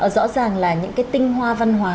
rõ ràng là những cái tinh hoa văn hóa